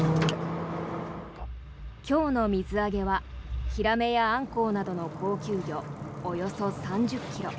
今日の水揚げはヒラメやアンコウなどの高級魚およそ３０ｋｇ。